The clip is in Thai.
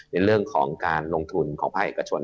ในเรื่องของการลงทุนของภาคเอกชน